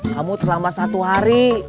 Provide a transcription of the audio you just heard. kamu terlambat satu hari